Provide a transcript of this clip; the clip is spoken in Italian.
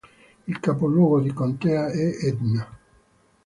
Il capoluogo di contea è Edna.